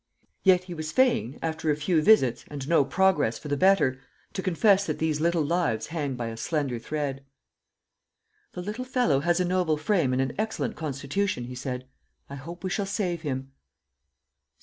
Yet he was fain, after a few visits, and no progress for the better, to confess that these little lives hang by a slender thread. "The little fellow has a noble frame and an excellent constitution," he said; "I hope we shall save him."